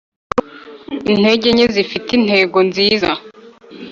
intege nke zifite intego nziza,